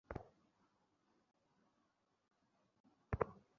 আমার নাম Robert thorn.